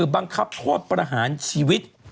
บังคับโทษประหารชีวิต